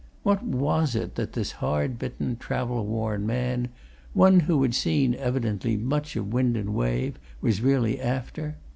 What was it that this hard bitten, travel worn man, one who had seen, evidently, much of wind and wave, was really after?